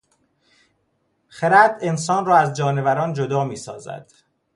خرد انسان را از جانوران جدا میسازد.